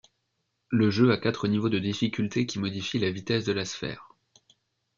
Le jeu a quatre niveaux de difficulté qui modifient la vitesse de la sphère.